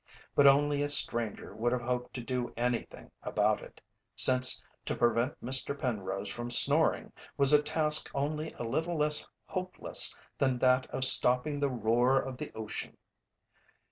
But only a stranger would have hoped to do anything about it, since to prevent Mr. Penrose from snoring was a task only a little less hopeless than that of stopping the roar of the ocean.